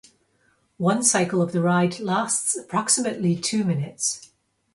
One cycle of the ride lasts approximately two minutes.